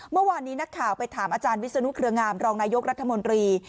เมื่อวานนี้นักข่าวไปถามอาจารย์วิศนุเครืองามรองนายกรัฐมนตรี